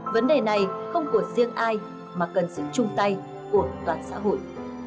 vấn đề này không của riêng ai mà cần sự chung tay của toàn xã hội